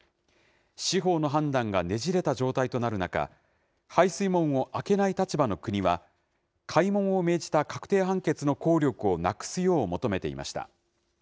司法の判断がねじれた状態となる中、排水門を開けない立場の国は、開門を命じた確定判決の効力をなくすよう求めていました。